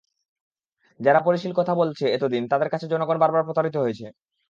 যারা পরিশীল কথা বলেছে এতদিন, তাদের কাছে জনগণ বারবার প্রতারিত হয়েছে।